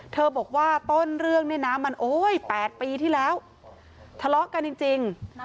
บอกว่าต้นเรื่องเนี่ยนะมันโอ้ย๘ปีที่แล้วทะเลาะกันจริง